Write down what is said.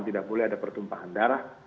tidak boleh ada pertumpahan darah